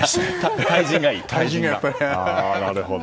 対人がいい。